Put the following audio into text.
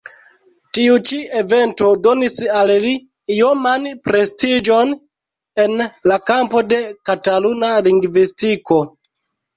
Tiu ĉi evento donis al li ioman prestiĝon en la kampo de Kataluna lingvistiko.